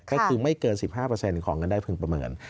ก็คือไม่เกิน๑๕ของเงินได้พึงประเมิน